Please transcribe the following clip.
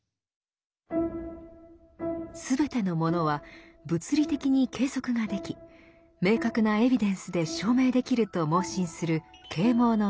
全てのものは物理的に計測ができ明確なエビデンスで証明できると妄信する啓蒙の意識。